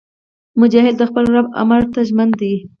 مجاهد د خپل رب امر ته ژمن دی.